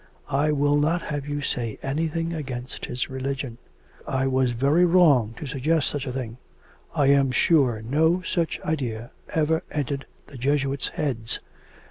I will not have you say anything against his religion. I was very wrong to suggest such a thing. I am sure no such idea ever entered the Jesuits' heads.